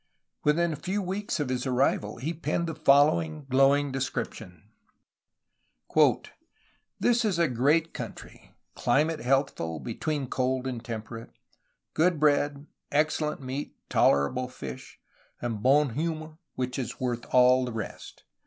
'' Within a few weeks of his arrival he penned the following glowing description: "This is a great country; climate healthful, between cold and temperate; good bread, excellent meat, tolerable fish; and bon humeur which is worth all the rest.